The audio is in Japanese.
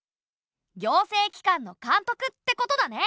行政機関のかんとくってことだね。